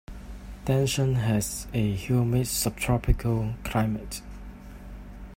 Denison has a humid subtropical climate.